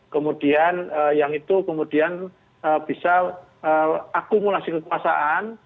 kemudian yang itu kemudian bisa akumulasi kekuasaan